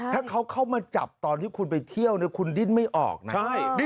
ถ้าเขาเข้ามาจับตอนที่คุณไปเที่ยวคุณดิ้นไม่ออกนะ